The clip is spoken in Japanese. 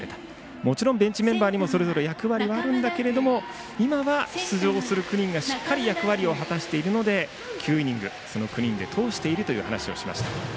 もちろんベンチメンバーにもそれぞれ役割はあるけれども今は出場する９人がしっかり役割を果たしているので９イニング９人で通していると話をしていました。